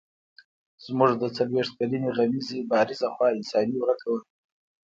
زموږ د څلوېښت کلنې غمیزې بارزه خوا انساني ورکه وه.